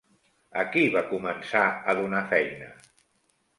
A qui va començar a donar feina?